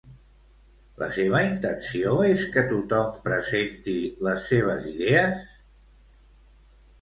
La seva intenció és que tothom presenti les seves idees?